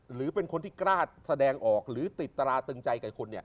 หรือเป็นคนที่กล้าแสดงออกหรือติดตราตึงใจกับคนเนี่ย